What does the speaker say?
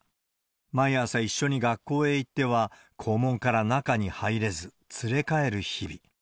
毎朝、一緒に学校に行っては、校門から中に入れず、連れ帰る日々。